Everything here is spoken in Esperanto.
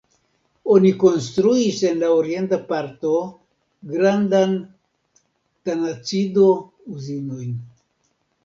Oni konstruis en la orienta parto grandajn tanacido-uzinojn.